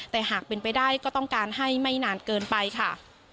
แต่หากเป็นไปได้ก็ต้องการให้ไม่นานเกินไปค่ะ